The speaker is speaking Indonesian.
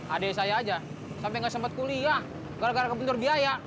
adik saya aja sampai nggak sempat kuliah gara gara kebentur biaya